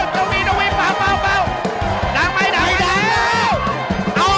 ที่ดังนะครับ